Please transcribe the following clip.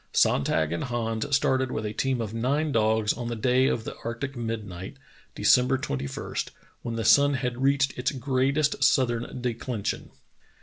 Sonntag and Hans started with a team of nine dogs on the day of the arctic midnight, December 21, when the sun had reached its greatest southern declension.